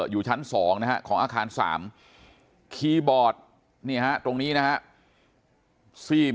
อยู่ชั้น๒นะฮะของอาคาร๓คีย์บอร์ดนี่ฮะตรงนี้นะฮะ